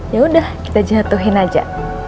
yaudah kita jatuhin aja